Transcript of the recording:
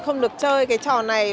không được chơi cái trò này